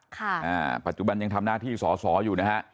ค่ะอ่าปัจจุบันยังทำหน้าที่สอสออยู่นะฮะ